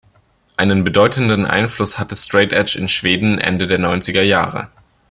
Einen bedeutenden Einfluss hatte Straight Edge in Schweden Ende der Neunziger Jahre.